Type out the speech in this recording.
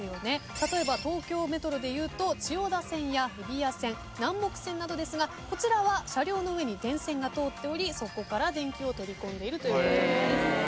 例えば東京メトロでいうと千代田線や日比谷線南北線などですがこちらは車両の上に電線が通っておりそこから電気を取り込んでいるということです。